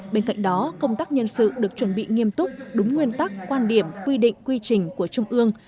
bên cạnh đó công tác nhân sự được chuẩn bị nghiêm túc đúng nguyên tắc quan điểm quy định quy trình của trung ương